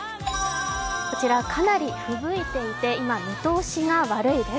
こちらかなりふぶいていて今、見通しが悪いです。